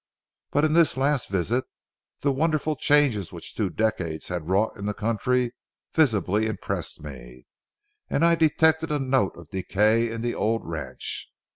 But in this last visit, the wonderful changes which two decades had wrought in the country visibly impressed me, and I detected a note of decay in the old ranch.